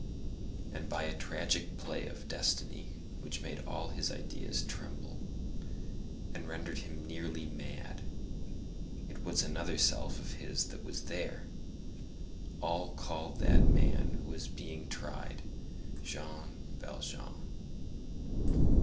And by a tragic play of destiny which made all his ideas tremble, and rendered him nearly mad, it was another self of his that was there! all called that man who was being tried Jean Valjean.